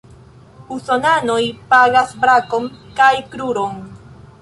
Usonanoj pagas brakon kaj kruron.